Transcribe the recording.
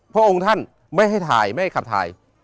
พระองค์ท่านไม่ให้ถ่ายไม่ให้ขับถ่าย